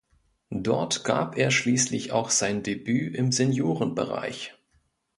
Dort gab er schließlich auch sein Debüt im Seniorenbereich.